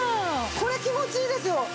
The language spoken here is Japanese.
これ気持ちいいですよ。